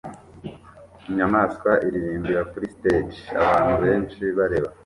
Inyamaswa iririmbira kuri stage abantu benshi bareba